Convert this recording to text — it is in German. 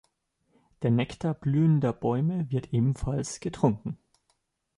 Der Nektar blühender Bäume wird ebenfalls getrunken.